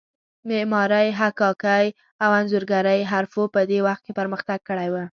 معمارۍ، حکاکۍ او انځورګرۍ حرفو په دې وخت کې پرمختګ کړی و.